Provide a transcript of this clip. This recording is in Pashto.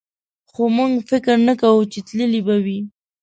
خو موږ فکر نه کوو چې تللی به وي.